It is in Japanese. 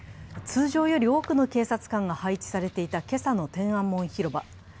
通常より多くの警察官が配置されていた今朝の天安門広場。